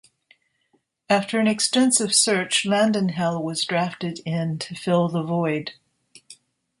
After an extensive search LandonHell was drafted in to fill the void.